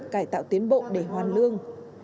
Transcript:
cải tạo tiến bộ để hoàn lương